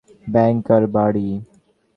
Bank আর বাড়ি।